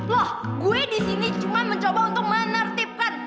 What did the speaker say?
loh gue disini cuma mencoba untuk menertibkan